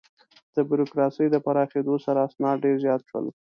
د بروکراسي د پراخېدو سره، اسناد ډېر زیات شول.